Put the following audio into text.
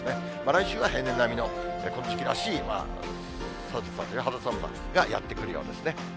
来週は平年並みの、この時期らしい肌寒さがやって来るようですね。